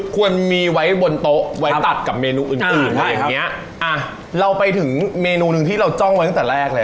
ควรมีไว้บนโต๊ะไว้ตัดกับเมนูอื่นอ่ะเราไปถึงเมนูหนึ่งที่เราจ้องไว้ตั้งแต่แรกแล้ว